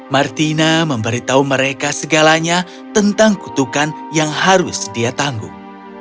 martina memberitahu mereka segalanya tentang kutukan yang harus dia tanggung